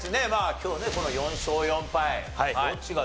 今日ねこの４勝４敗どっちが上回るかと。